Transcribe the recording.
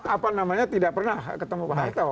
apa namanya tidak pernah ketemu pak harto